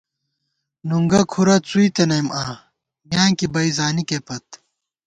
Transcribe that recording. نُنگُہ کُھرَہ څُوئی تنَئیم آں، میانکی بئ زانِکے پت